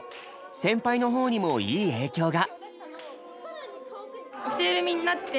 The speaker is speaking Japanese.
先輩の方にもいい影響が。